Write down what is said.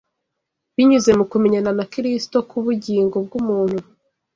binyuze mu kumenyana na Kristo k’ubugingo bw’umuntu